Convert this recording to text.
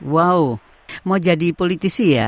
wow mau jadi politisi ya